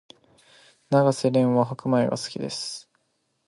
永瀬廉は白米が好きです